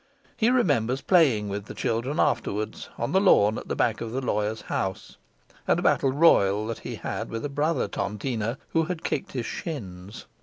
He remembers playing with the children afterwards on the lawn at the back of the lawyer's house, and a battle royal that he had with a brother tontiner who had kicked his shins.